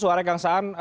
suara yang keangsaan